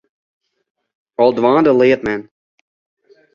Al dwaande leart men.